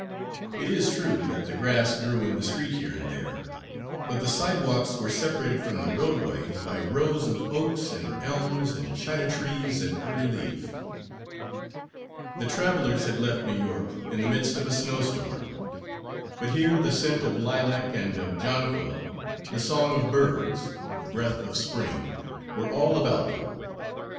It is true that the grass grew in the street here and there, but the sidewalks were separated from the roadway by rows of oaks and elms and china trees in early leaf. The travellers had left New York in the midst of a snowstorm, but here the scent of lilac and of jonquil, the song of birds, the breath of spring, were all about them.